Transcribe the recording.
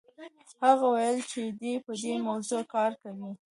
هغه وویل چې دی په دې موضوع کار کوي.